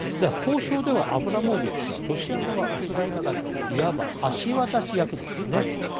交渉ではアブラモビッチ氏はロシア側、ウクライナ側のいわば橋渡し役ですね。